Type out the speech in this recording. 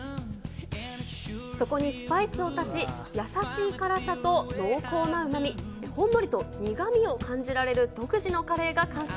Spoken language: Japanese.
そこにスパイスを足し、優しい辛さと濃厚なうまみ、ほんのりと苦みを感じられる独自のカレーが完成。